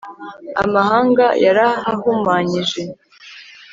amahanga yarahahumanyije